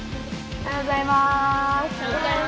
おはようございます！